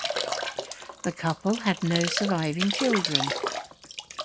The couple had no surviving children.